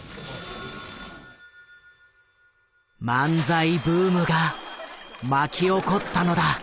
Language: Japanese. ☎「漫才ブーム」が巻き起こったのだ。